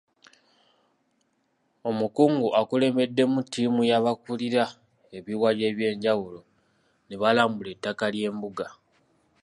Omukungu akulembeddemu ttiimu y’abakulira ebiwayi eby'enjawulo ne balambula ettaka ly'embuga.